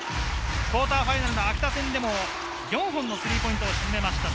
クオーターファイナルの秋田戦でも４本のスリーポイントを沈めました。